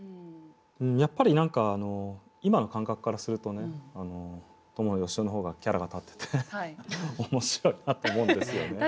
やっぱり何か今の感覚からするとね伴善男の方がキャラが立ってて面白いなって思うんですよね。